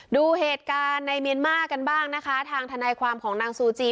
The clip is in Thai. ดูเหตุการณ์ในเมียนมาร์กันบ้างนะคะทางทนายความของนางซูจี